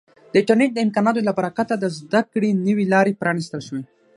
د انټرنیټ د امکاناتو له برکته د زده کړې نوې لارې پرانیستل شوي.